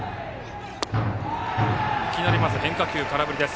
いきなり変化球、空振りです。